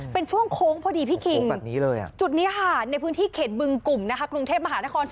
เป็นช่วงโค้งพอดีพี่คิงจุดนี้ค่ะในพื้นที่เขตบึงกลุ่มนะคะกรุงเทพมหานคร